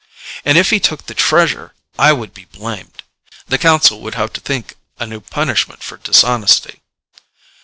And if he took the Treasure, I would be blamed. The council would have to think a new punishment for dishonesty.